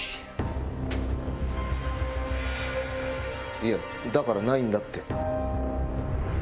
いやだからないんだって。